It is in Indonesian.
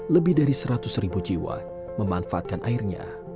lebih dari seratus ribu jiwa memanfaatkan airnya